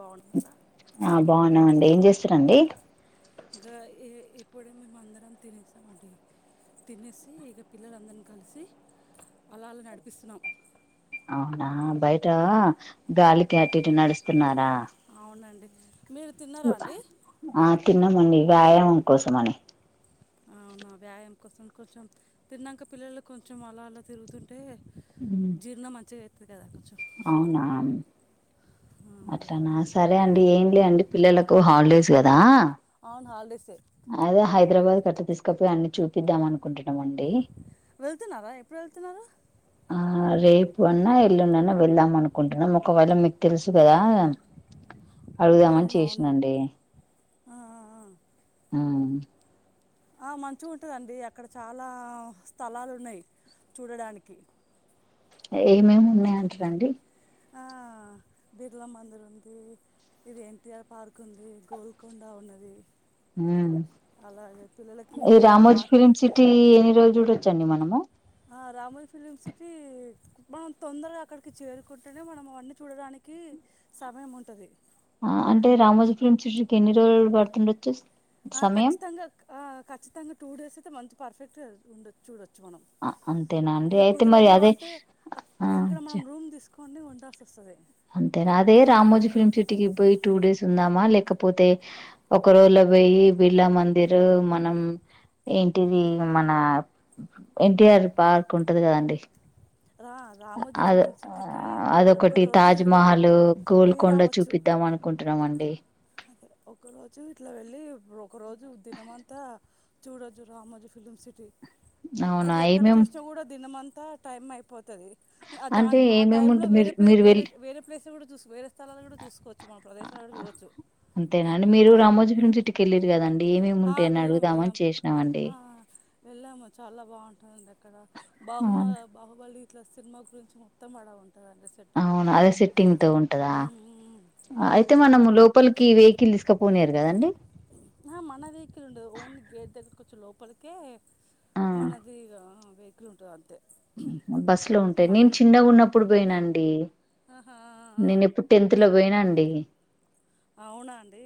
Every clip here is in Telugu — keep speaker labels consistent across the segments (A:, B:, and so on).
A: బాగున్నారా
B: ఆ బాగున్నావండి ఏం చేస్తూరండి
A: ఇంకా ఇప్పుడే మేము అందరం తినేస్తాం అంట తినేసి ఇక పిల్లలందరినీ కలిసి అలా అలా నడిపిస్తున్నాం
B: అవునా బయట గాలికి అటుటి నడుస్తున్నారు
A: అవునండి మీరు తిన్నారా అండి
B: ఆ తిన్నామండి వ్యాయామం కోసం అని
A: అవునా వ్యాయామ కోసం కొంచెం తిన్నాక పిల్లలు కొంచెం అలా అలా తిరుగుతు తే జీర్ణ మచ ఎ
B: అవునా అట్లానా
A: ఆ, అట్లా
B: సరే అండి ఏం లే అండి పిల్లలకు హాలిడేస్ కదా
A: హాల్డేస్
B: అదే హైదరాబాద్ కట్ట తీసుకపోయి అన్ని చూపిద్దాం అనుకుంటు
A: వెళ్తున్నారా ఎప్పుడు వెళ్తున్నారు
B: ఆ రేపు అన్నా ఎల్లుండన్న వెళ్దాం అనుకుంటున్నాం ఒకవేళ మీకు తెలుసు కదా అడుగుదామని
A: అవును అవును
B: చేసినండి
A: ఆ, ఆ, ఆ. ఆ మంచిగుంటదండి అక్కడ చాలా స్థలాలు ఉన్నాయి చూడడానికి
B: ఏమేమి ఉన్నాయంటారండి
A: ఆ బిర్లా మందిర్ ఉంది ఇది ఎన్టిఆర్ పార్క్ ఉంది గోల్కొండ ఉంది
B: ఉమ్ ఏ
A: మంచిగా
B: రామోజ
A: ఆ
B: ఫిలిం సిటీ ఎన్ని రోజు చూడచ్ చండి మనము
A: ఆ రామోజీ ఫిలిం సిటీ మనం తొందరగా అక్కడికి చేరుకుంటేనే మనం అవన్నీ చూడడానికి సమయం ఉంటుంది.
B: ఆ అంటే రామోజు ఫిలిమ్ సిటికి ఎన్ని రోజులు పడుతుండొచ్చు
A: ఆ
B: సమయం
A: కచ్చితంగా ఆ కచ్చితంగా టూ డేస్ అయితే మంచి పర్ఫెక్ట్ ఉండ చూడొచ్చు మనం
B: అంతేనా అండి
A: ఇక
B: అయితే మరి
A: కుదరదు
B: అదే ఆ చ
A: కొన్ని ఉండాసొస్తది
B: అంతేనా అది రామోజీ ఫిలిమ్ సిటీకి పోయి టూ డేస్ ఉందామా లేకపోతే ఒక రోజులో పోయి బిర్లా మందిర్ మనం ఏంటిది మన ఎన్టీఆర్ పార్క్ ఉంటది కదండి
A: రా రామోజీ
B: అద
A: ఫిలిం సిటీకి
B: అదొకటి
A: ఒక్కరోజు
B: తాజ్
A: ఇలా
B: మహల్
A: పోయి
B: గోల్కొండ
A: రావచ్చు
B: చూపిద్దాం అనుకుంటున్నామండి
A: అదే ఒక రోజు ఇట్లా వెళ్ళి ఒక రోజు దినం అంతా చూడొచ్చు రామోజీ ఫిలిమ్ సిటీ
B: అవునా
A: అది ఎక్కడ
B: ఏమేం
A: చూసినా కూడా దినమం త టైమ్ అయిపో తది
B: అంటే
A: ఆ టైమ్ లో
B: ఏమేమింటు మీరు
A: వేరే ప్లే
B: మీరు
A: వేరే
B: వెళ్ళి
A: వేరే ప్లేస్ కూడా వేరే స్థలాలు కూడా చూసకోవచ్చు చ్చ మన ప్రదేశాలలో చూడొచ్చు
B: అంతేనా అండి మీరు రామోజీ ఫిలిమ్ సిటీకి వెళ్ళిర్రు కదం ఏమేమి
A: ఆ,
B: ఉంటాయ అని
A: వెళ్ళాం
B: అడుగుదామని
A: వెళ్ళాం
B: చేసినామండి
A: ఆ, వెళ్ళాము చాలా బాంటదండి అక్కడ బాహుమ
B: అవును
A: బాహుబలి ఇట్లా సినిమా గురించి మొత్తం వడ ఉ
B: అవునా అదే సెట్టింగ్ తో ఉంటదా
A: ఉమ్, ఉమ్, ఉమ్,
B: అయితే
A: చాలా
B: మనము
A: బాగుంటుంది
B: లోపలికి వెహికిల్ తీసుకపోనీరు కదండి
A: ఇక్కడ ఉండదు ఓన్లీ గేట్ దగ్గరకి వచ్చి లోపలికే.
B: ఆ
A: మనదిగా వెహికల్ ఉంటది అంతే
B: బస్సు లో ఉంటాయి నేను
A: మహన
B: చిన్నగా ఉన్నప్పుడు పోయినా అండి
A: ఆహా ఆ
B: నేను ఎప్పుడు టెన్త్ లో పోయినా అండి
A: అవునా అండి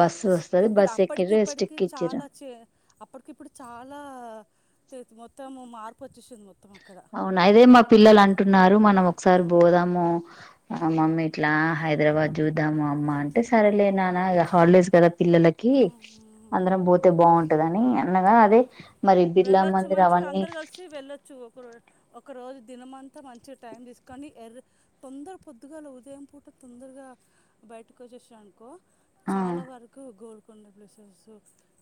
B: బస్సు వస్తది
A: ఇప్పుడు
B: బస్సు
A: అప్పటికి
B: ఎక్కిరు
A: ఇప్పటికి
B: ఎస్టిక్కిచ్చిరు
A: చాలా చే అప్పటికిప్పుటకీ చాలా మొత్తం మార్పు వచ్చేసింది మొత్తం అక్కడ
B: అవునా అదే మా పిల్లలు అంటున్నారు మనం ఒకసారి పోదాము ఆ మమ్మీ ఇట్లా హైదరాబాద్ చూద్దాము అమ్మ అంటే సరలే నాన్న హాలిడేస్ తదప్ పిల్లలకి
A: ఆ,
B: అందరం పోతే బావుంటదని అన్నదా అదే మరి బిర్లా
A: వెళ్ళొచ్చు
B: మందిర్
A: మంచిగా
B: అవన్నీ
A: అందరు కలిసి వెళ్ళొచ్చు ఒక్క రో ఒకరోజు దినమంతా మంచిగా టైం తీసుకని ఎర్ర తొందర పొద్దుగాల ఉదయం పూట తొందరగా బయటకు వచ్చేసానుకో
B: ఆ
A: చాలా వరకు గోల్కొండ ప్లేసెస్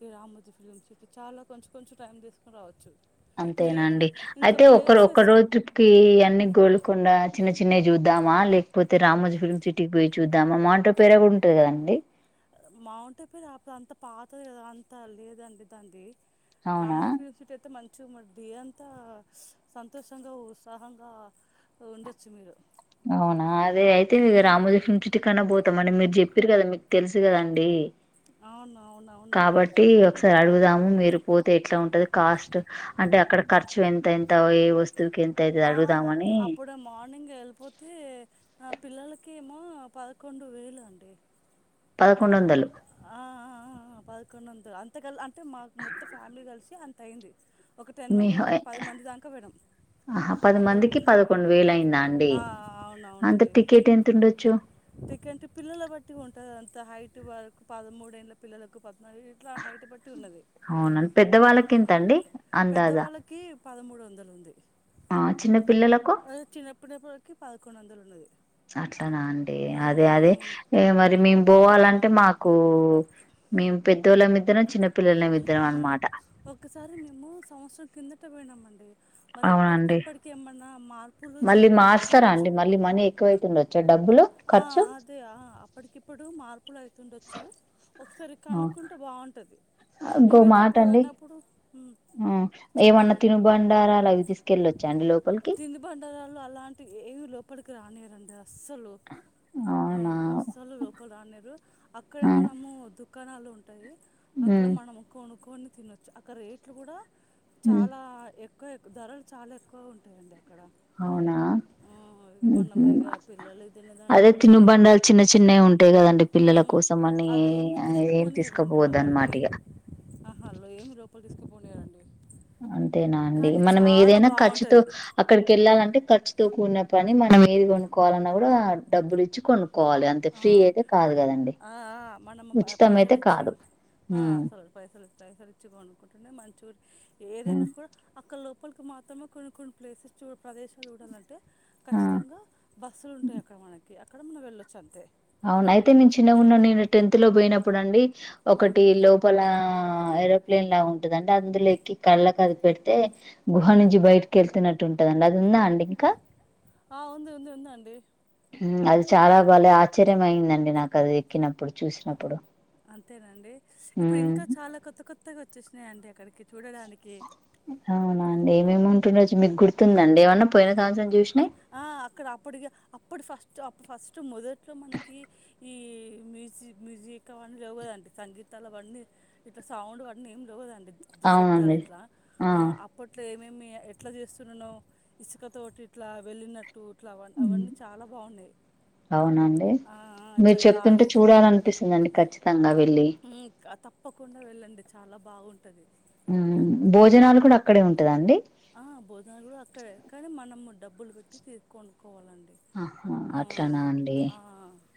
A: ఈ రామోజీ ఫిలింసిటీ చాలా కొంచెం కొంచెం టైమ్ తీసుకొని రావచ్చు
B: అంతేనా
A: మెయిన్
B: అండి
A: ఇంకా
B: అయితే ఒకరు ఒక్క
A: ప్లేసెస్
B: రోజు ట్రిప్కి యన్ని గోలుకొండా చిన్న చిన్నవి చూద్దామా లేకపోతే రామోజి ఫిల్మ్ సిటీకి పోయి చూద్దామా మాంటో పేర కూడా ఉంటది కదండి
A: మౌంట పిరా అప్పుడు అంత పాతది కదా అంత లేదండి దాన్ది
B: అవునా
A: రామోజీఫిలిం సిటీ అయితే మంచి చిగా ఉండి అంతా సంతోషంగా ఉత్సాహంగా ఉండొచ్చు మీరు
B: అవునా అదే అయితే
A: ఉమ్.
B: రామోజీఫిలిం సిటీ కన్నా పోతామండి మీరు చెప్ప చెప్పిరు కదా మీకు తెలుసు కదాండి
A: అవును అవును అవునండి
B: కాబట్టి ఒకసారి అడుగుదాము మీరు పోతే ఎట్లా ఉంటది కాస్ట్ అంటే అక్కడ ఖర్చు ఎంత ఎంత ఏ వస్తువుకి ఎంత అయితది
A: ఆ
B: అడుగుదామని
A: అప్పుడు మార్నింగ్ ఏళ్ళిపోత్ తే అయితే పిల్లలకేమో పదకొండు వేలు అండి.
B: పదకొండు వందలు
A: ఆ ఆ ఆ పదకొండు వందలు అంత కల్ అంటే మాకు మొత్తం ఫ్యామిలీ కలిసి అంత అయింది. ఒక టెన్
B: మీ
A: మెంబర్ ఒక పది మంది దాంక పోయినాం
B: ఆహా పది
A: అందరు
B: మందికి
A: కలిసి
B: పదకొండు వేలు అయిందా అండి
A: ఆ ఆ అవున
B: అంత
A: అవునండి.
B: టికెట్ ఎంత ఉండొచ్చు
A: టికెట్ పిల్లల బట్టి ఉంటది అన్ ఈత్త హైట్ వరకు పదమూడేళ్ల పిల్లలకు పద్నాలుగు గీట్ల హైట్ బట్టి ఉన్నది.
B: అవునండి పెద్దవాళ్ళకి ఎంత అండి అందాజా
A: పెద్దవాళ్ళకి పదమూడు వందలు ఉంది
B: ఆ చిన్న పిల్లలకు
A: అదే చిన్నపిల్లలకి పదకొండు వందలు ఉన్నది
B: అట్లానా అండి అదే అదే
A: ఉమ్
B: ఇగ మరి మేము పోవాలన్ అంటే మాకు మే పెద్దోళ్ళం ఇద్దరం చిన్న పి
A: ఆ ఒకసారి మేము సంవత్సరం కింద తిరుపతి పోయినామండి. మరి
B: అవునండి
A: అప్పటికిప్పటికి ఏమన్నా మార్పులు
B: మళ్ళీ
A: చేర్పులు
B: మార్స్తారా అండి
A: అయిచుండొచ్చు
B: మళ్ళీ మనీ ఎక్కువైతుండొచ్చా డబ్బులు ఖర్చు
A: ఇప్పుడు మార్ మార్పులు ఐతుండచ్చు ఒకసారి కనుకుంటే బాగుంటంది
B: ఇంకో
A: మేమైతే
B: మాట
A: అప్పుడు
B: అండి
A: పోయినప్పుడు ఉమ్
B: ఆ ఏమన్నా
A: చెప్పండి
B: తినుబండారాలు అవి తీసుకెళ్ళొచ్చా అండి లోపలికి
A: తినీ బండరాలు అలా అంటె ఏవి లోపలికి రానియ్యారండి అస్సలు ఆ
B: అవునా
A: అసలు లోపల్ రానీయ్యరు అక్కడే
B: ఆ
A: మనము దుప్ కణాలు ఉంటాయి. అక్కడ
B: ఉమ్
A: మనము కొనుక్కొని తినొచ్చు అక్కడ రేట్లు కూడా
B: ఉమ్
A: చాలా ఎక్కు ఎక్క్ ఎక్కువ ధరలు చాలా ఎక్కువ ఉంటాయి అండి
B: అవునా హూ హూ ఉంటాయి కదండి పిల్లల కోసం అని
A: అవి ఏమి
B: ఏం
A: తీసుకుపోనివ్వరంట
B: తీసుకపోవద్దు అన్నమాట
A: లోపలికి
B: ఇగ
A: ఆహా లో ఏమి లోపలి తీసుకు
B: అంతేనా అండి
A: కానీ
B: మనం
A: చాలా
B: ఏదైనా ఖర్చుతో
A: బాగుంటుంది
B: అక్కడికి వెళ్ళాలంటే ఖర్చుతో కూడిన పని మనం ఏది కొనుక్కోవాలన్నా కూడా డబ్బులు ఇచ్చి కొను
A: అ అ ఆ మనం
B: ఉచితం అయితే
A: పైసలుచ్చి
B: కాదు
A: అ
B: ఉమ్
A: పైసలు పైసలు ఇచ్చి కొనుక్కుంటేనే మంచి ఏదైనా
B: ఉమ్
A: కూడా అక్క లు లోపలికి మాత్రమే కొన్ని కొన్ని ప్లేసెస్స్ చూ ప్రదేశాలు చూడాలంటే
B: ఆ
A: ఖచ్చితంగా బస్సులు ఉంటాయి అక్కడ మనకి అ క్కడ మనం వెళ్ళో చ్ అంతే
B: అవునా అయితే నేను చిన్నగా ఉన్న నేను టెన్త్ లో పోయినప్పుడు అండి
A: ఉమ్.
B: ఒకటి లోపల ఆ ఏరోప్లేన్ లా ఉంటందండి అందులో ఎక్కి కళ్ళ కి అది పెడితే గుహ నుంచి బయటకి వెళ్తున్నట్టు ఉంటదండి అది వుందా అండి ఇంకా
A: అ ఉంది ఉంది ఉందండి
B: మ్ అది చాలా భలే ఆశ్చర్యం అయిందండి నాకు గది ఎక్కినప్పుడు చూసినప్పుడు
A: అంతేనా అండి స్ ఇప్పుడు
B: ఉమ్,
A: ఇంకా చాలా కొత్త కొ త్త గా వచ్చేసినాయంట అక్కడికి చూడడానికి
B: అవునా అండి ఏమేమి ఈరోజు మీకు గుర్తుంద అండి ఏమన్న పోయిన సంవత్సరం చూసినా
A: అ అక్కడ అప్పటికి అప్పుడు ఫస్ట్ అప్పు ఫస్ట్ మొదట్లో మనకి ఈ మ్యూజి మ్యూజిక్ అవన్నీ లేవు కదండి సంగీతాలు అవన్నీ ఇట్లా సౌండ్ అన్నీ ఏమి లేవు కదండి పెద్ద శబ్దాలు
B: అవునండి
A: ఇట్లా ఆ అప్పట్లో ఏమే మీర్ ఎట్లా చేస్తున్నానో ఇసుకతోటి ఇట్లా వెళ్ళిన
B: మ్ అవునండి
A: ఆ
B: మీరు
A: ఇట్లా
B: చెప్తుంటే చూడాలనిపిస్తుంది అండి ఖచ్చితంగా వె
A: ఇ క తప్ ప్పకుండా వెళ్ళండి చాలా బాగుంటది
B: మ్ భోజనాలు కూడా అక్కడే ఉంటయా అండి
A: ఆ భోజనాలు కూడా అక్కడే కానీ మనం డబ్బులు పెట్టి తీసి కొను
B: ఆహా అట్లానా అండి
A: ఆ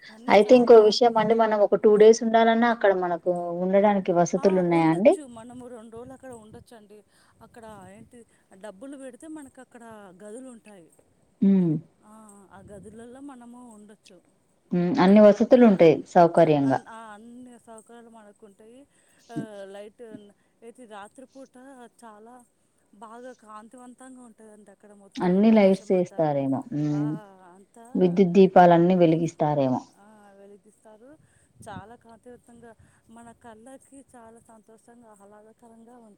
A: కానీ
B: అయితే ఇంకో
A: చాలా
B: విషయం అండి మనం ఒక టూ డేస్ ఉండాలన్నా అక్కడ మనకు ఉండడాని
A: అ ఉండొచ్చు మనము రెండు రోజులు అక్కడ ఉండొచ్చు అండి అక్కడ ఏంటి డబ్బులు పెడితే మనకి అక్కడ గదులు ఉంటాయి
B: మ్మ్
A: అ గదులల్లో మనము ఉండొ
B: అన్నీ వసతులు ఉంటాయి సౌకర్యంగా
A: అన్ ఆ అన్ని సౌకర్యాలు మనకు ఉంటాయి ఆ లైటు ఉన్ అయితే రాత్రి పూట చాలా బాగా కాంతివంతంగా ఉంటదంట
B: అన్ని లైట్స్ వేస్తారేమో
A: ఆ అంతా
B: విద్యుత్ దీపాలున్ని వెలిగిస్తారేమో
A: స్తారు చాలా కాంతియుతంగా మన కళ్ళ చాలా సంతోషంగా ఆహ్లాదకరంగా ఉన్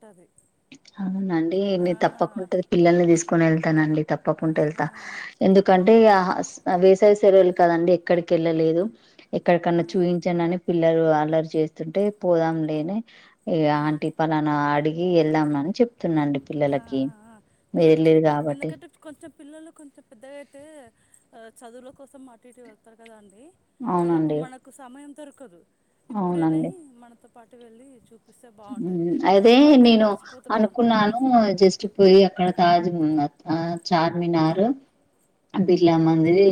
B: అవునండి నే తప్పకుండా పిల్లల్ని తీసుకుని ఎళ్తానండి తప్పకుండా
A: ఆహా
B: ఎళ్తా
A: తప్పం
B: ఎందుకంటే వేసవి సెలవలు కదండి ఎక్కడికెళ్ళలేదు ఎక్కడ కన్నా
A: ఆ
B: చూయిించండి అని పి పిల్లరు అల్లరి చేస్తుంటే పోదాం లే అని ఏ
A: ఉమ్
B: ఆంటీ పలాన అడిగి ఎల్దాం అని చెప్ తున్నాండి
A: ఆ ఆ
B: పిల్లలకి
A: ఆ.
B: మీరు
A: పిల్లలకు చూ
B: ఎల్లిరు కాబట్టి
A: ఎందుకంటే కొంచెం పిల్లలు కొంచెం పెద్దగా అయితే చదువుల కోసం అటు ఇటు ఎళ్తారు కదా అండి ఇక అప్పు
B: అవునండి
A: మనకు సమయం దొరుకదు ఇప్పుడేనే మనతో పాటు వెళ్లి చూప్
B: ఊ అదే నేను
A: కలిసిపోతే బాగుంటది
B: అనుకున్నాను జస్ట్ పోయి అక్కడ తాజమ చార్మినార్ బిర్లా మందిరి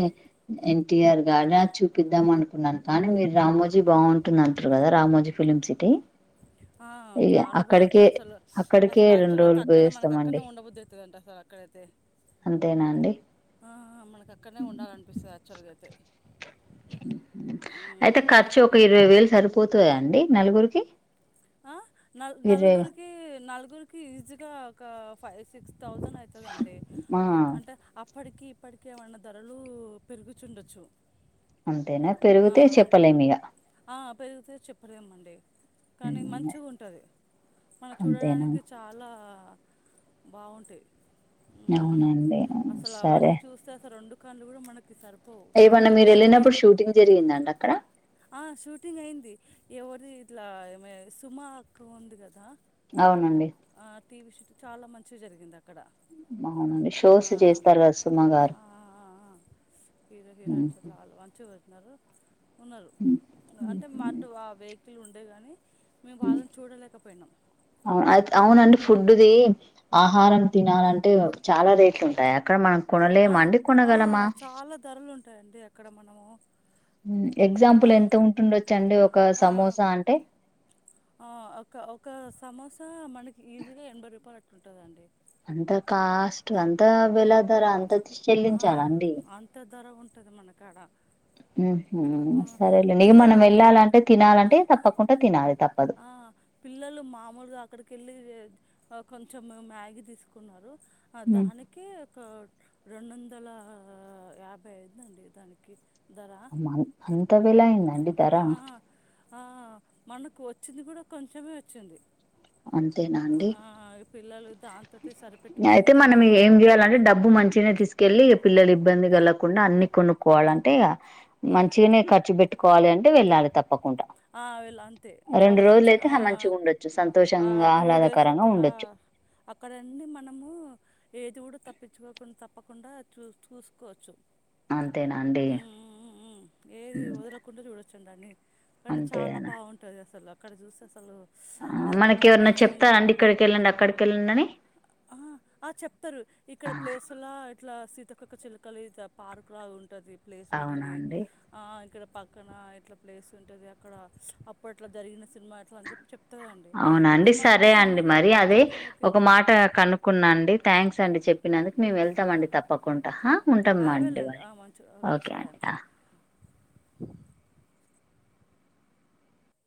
B: ఎన్టీఆర్ గార్డెన్ చూపిద్దాం అనుకున్నాను కానీ మీరు రామోజీ బాగుంటుంది అంటారు కదా రామోజీ ఫిలిమ్ సిటీ
A: ఆ
B: ఇగ
A: చాలా
B: అక్కడికే
A: బాగుంటుంది అసలు
B: అక్కడికే
A: అసలు
B: రెండు
A: యాక్చువల్ అయితే
B: రోజులు
A: అక్కడనే మనకు
B: పోయేస్తామండి
A: అక్కడనే ఉండబొద్దు అవుతుందిండి అసలు అక్కడైతే
B: అంతేనా అండి
A: ఆ మనకు అక్కడనే ఉండాలనిపిస్తుంది యాక్చువల్గా అయితే
B: అయితే
A: ఉమ్
B: ఖర్చు ఒక ఇరవై వేలు సరిపోతు పోతయా అండి నలుగురికి
A: ఆ నల్
B: ఇరవై
A: నలుగురికి నలుగురికి ఈజీగా ఒక ఫైవ్ సిక్స్ థౌసండ్ అయితే వుతదండి
B: ఆ
A: అంటే అప్ ఇప్పటికిీ ఇప్పటికేమన్న ధరలు పెరుగుచుండొచ్చు
B: అంతేనా పెరిగితే చెప్పలేం ఇగ
A: పెరుగుతే చెప్పలేమండి కానీ మంచిగుంటది మనం
B: అంతేనా
A: చూడడానికి చాలా బాగుంటయి
B: అవునండి సరే
A: కన్లు కూడా మనక్ సరిపోవు
B: ఏమన్నా మీరు
A: చూడడానికి
B: వెళ్ళినప్పుడు షూటింగ్ జరిగిందండి అక్కడ
A: ఆ షూటింగ్ అయింది [unintelligible] ఇట్లా సుమా అక్క ఉంది కదా
B: అవునండి
A: ఆ చాలా మంచిగా జరిగింద క్కడ
B: అవునండి
A: ఆ
B: షోస్ చేస్తారు కదా సుమ
A: ఆ ఆ ఆ ఆ ఆ హీరో
B: గారు
A: హీరోయిన్స్ అట్లా వాళ్ళ మంచి [unintelligible] న్నారు ఉన్నారు అంటే మంటు ఆ వె తులు ఉండేవి గానీ
B: ఔ అవునండి ఫుడ్డుది‌ ఆ హారం తినాలంటే చాలా రేట్లుంటాయక్కడ మనం
A: ఆ
B: కొనలేమా అండి
A: ఆ
B: కొనగలమా
A: చాలా ధరలు ఉంటాయండి అక్కడ మనము
B: మ్ ఎగ్జాంపుల్
A: ఆ
B: ఎంత ఉంటుండొచ్చండి ఒక
A: ఆ
B: సమోసా అంటే
A: ఆ ఒక ఒక సమోసా ఈజీగా ఎన్ భై రూపాయ్లట్ ఉంటదండి
B: అంత కాస్ట్ అంత వెల ధర అంత చెల్లించాలండి
A: టది మన కాడ
B: ఊహూ సరేలేండి ఇగ మనం
A: పిల్లలు
B: వెళ్ళాలంటే తినాలంటే తప్పకుండా తినాలి త
A: ఆ పిల్లలు మామూలుగా అక్కడికెళ్ళి కొంచెం మ్యాగీ తీసుకున్నారు ఆ
B: ఉమ్,
A: దానికే ఒక రెండొందల యాభై అయిందండి దానికి ధర
B: అమ అంత వెల అయిందాండి ధర
A: ఆ, ఆ మన కు వచ్చింది కూడా కొంచమే వచ్చింది
B: అంతేనా అండి
A: దాన్
B: అయితే మనం ఏం చేయాలంటే డబ్బు మంచినే తీసుకెళ్లి పిల్లలు ఇబ్బంది కలక్కుండా అన్ని కొనుక్కోవాలంటే ఇగ
A: ఆ,
B: మంచిగనే కర్చు బెట్ట కోవాలి అంటే వెళ్ళాలి త
A: ఆ విలా అంతే చాలా మంచి
B: రోజులయితే
A: ఆ
B: హ మంచిగా ఉండొచ్చు
A: ఆ
B: సంతోషంగా
A: టూ డేస్
B: ఆహ్లాదకరంగా
A: అయితే ఆ
B: ఉండొచ్చు
A: అక్కడన్ని మన ఇది కూడా తప్పించుకోకుండా తప్పకుండా చూ చూసుకోవచ్చు
B: అంతేనా అండి. హు
A: చుండాన్ని కానీ చాలా బావుంటాది అసల అక్కడ చూసి అసలు స్ అదొక
B: మనకి ఎవరన్నా
A: ప్రపంచం.
B: చెప్తారండి ఇక్కడికి వెళ్ళండి అక్కడికి వెళ్ళండి అని
A: ఆహ ఆ చెప్తారు ఇక్కడ ప్లేస్లా ఇట్లా సి సీతాకోక చిలకలు ఇద పార్క్ లా ఉంటది. ప్లేస్
B: అవునా
A: ఉంటది.
B: అండి
A: ఆ ఇక్కడ పక్కన ఎట్లా ప్లేస్ ఉంటది. అక్కడ ‌అప్పట్లో జరిగిన సినిమా ఇట్లా అని చెప్పి చెప్తుందండి
B: అవునండి
A: అప్పుడు మనకు
B: సరే అండి
A: సినిమాలు
B: మరి అదే
A: చంద్రముఖి
B: ఒక మాట కనుక్కున్నా అండి థ్యాంక్స్ అండి చెప్పినందుకు మేము వెళ్ స్తమండి తప్పకుండా హా ఉంటామాండి
A: వెళ్ళండి
B: మరి
A: మంచి
B: ఓకే
A: సరే
B: అండి హా